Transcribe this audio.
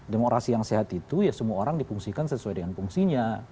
demokrasi yang sehat itu ya semua orang dipungsikan sesuai dengan fungsinya